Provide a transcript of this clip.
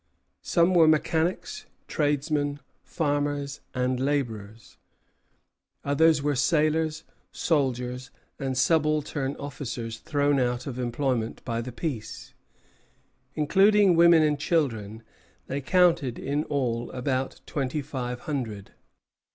Some were mechanics, tradesmen, farmers, and laborers; others were sailors, soldiers, and subaltern officers thrown out of employment by the peace. Including women and children, they counted in all about twenty five hundred.